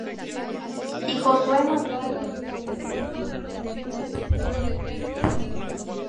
Y Josué mandó á los oficiales del pueblo, diciendo: